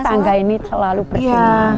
semua tangga ini selalu bersih